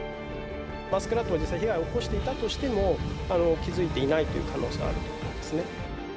マスクラットは実際に被害を起こしていたとしても、気付いていないという可能性もあるんですね。